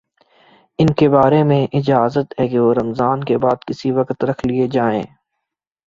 ان کے بارے میں اجازت ہے کہ وہ رمضان کے بعد کسی وقت رکھ لیے جائیں